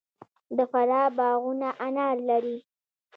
د فراه باغونه انار لري.